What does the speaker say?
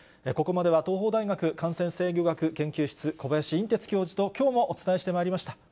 ここまでは東邦大学感染制御学研究室、小林寅てつ教授ときょうもお伝えしてまいりました。